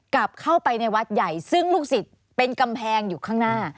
กลับเข้าไปในวัดใหญ่ซึ่งลูกศิษย์เป็นกำแพงอยู่ข้างหน้า